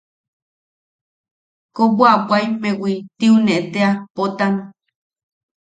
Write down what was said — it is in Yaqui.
Kobwabwaimewi tiune tea, Potam.